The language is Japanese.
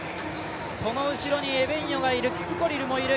その後ろにエベンヨがいる、キプコリルもいる。